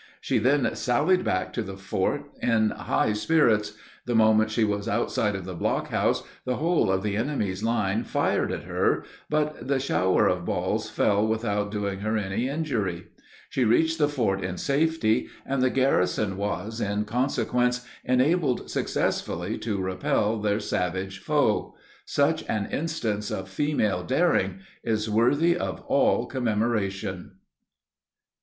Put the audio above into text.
She then sallied back to the fort, in high spirits. The moment she was outside of the blockhouse, the whole of the enemy's line fired at her, but the shower of balls fell without doing her any injury. She reached the fort in safety, and the garrison was, in consequence, enabled successfully to repel their savage foe. Such an instance of female daring is worthy of all commemoration.